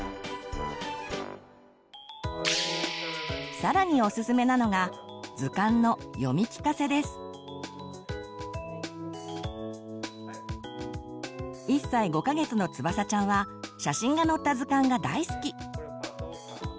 更におすすめなのが図鑑の１歳５か月のつばさちゃんは写真が載った図鑑が大好き。